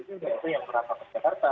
itu yang merata ke jakarta